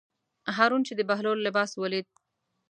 هارون چې د بهلول لباس ولید.